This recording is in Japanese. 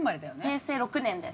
平成６年です。